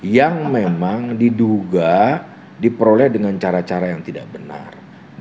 yang memang diduga diperoleh dengan cara cara yang tidak benar